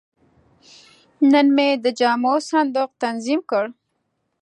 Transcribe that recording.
نن مې د جامو صندوق تنظیم کړ.